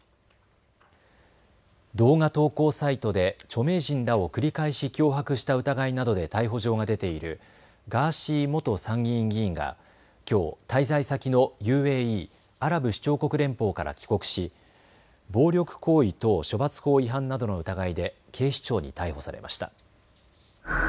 動画投稿サイトで著名人らを繰り返し脅迫した疑いなどで逮捕状が出ているガーシー元参議院議員がきょう滞在先のＵＡＥ・アラブ首長国連邦から帰国し暴力行為等処罰法違反などの疑いで警視庁に逮捕されました。